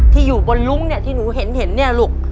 ที่อยู่บนลุ้งเนี่ยที่หนูเห็นเนี่ยลูก